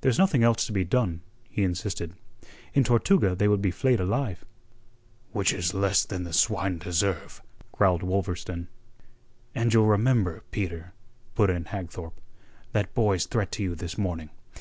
"There's nothing else to be done," he insisted. "In Tortuga they would be flayed alive." "Which is less than the swine deserve," growled Wolverstone. "And you'll remember, Peter," put in Hagthorpe, "that boy's threat to you this morning.